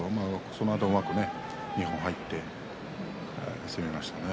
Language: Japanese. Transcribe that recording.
そのあと、うまく二本入って攻めましたね。